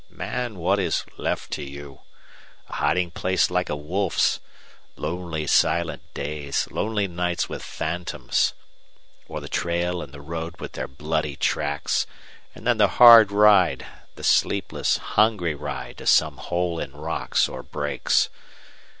Man, what is left to you? A hiding place like a wolf's lonely silent days, lonely nights with phantoms! Or the trail and the road with their bloody tracks, and then the hard ride, the sleepless, hungry ride to some hole in rocks or brakes.